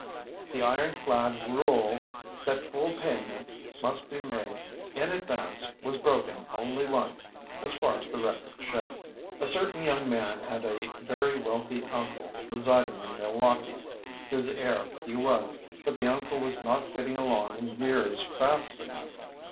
The ironclad rule that full payment must be made in advance was broken only once, as far as the records show. A certain young man had a very wealthy uncle, residing in Milwaukee, whose heir he was, but the uncle was not getting along in years fast enough.